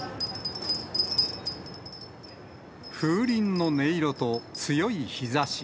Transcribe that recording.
風鈴の音色と強い日ざし。